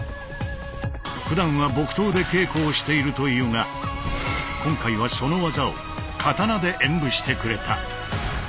ふだんは木刀で稽古をしているというが今回はその技を刀で演武してくれた。